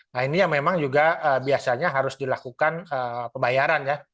nah ini yang memang juga biasanya harus dilakukan pembayarannya